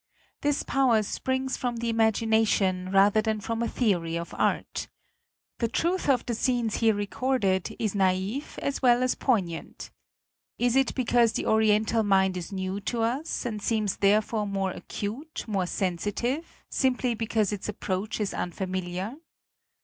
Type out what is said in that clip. This power springs from the imagination rather than from a theory of art. The truth of the scenes here recorded is naive as well as poignant. Is it because xi FOREWORD the Oriental mind is new to us, and seems therefore more acute, more sensi tive, simply because its approach is un familiar?